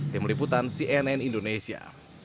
tim liputan cnn indonesia